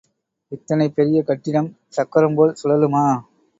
இத்தனை பெரிய கட்டிடம் சக்கரம்போல் சுழலுமா?